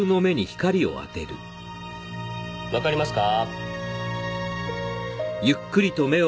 わかりますか？